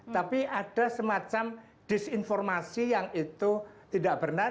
tapi ada semacam disinformasi yang itu tidak benar